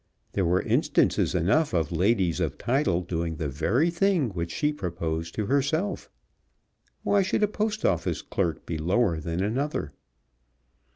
There were instances enough of ladies of title doing the very thing which she proposed to herself. Why should a Post Office clerk be lower than another?